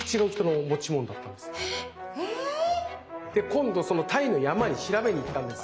今度そのタイの山に調べに行ったんです。